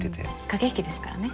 駆け引きですからね。